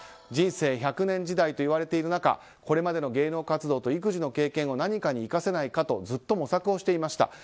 人生１００年時代と言われている中これまでの芸能活動と育児の経験を何かに生かせないかとずっと模索をしていました。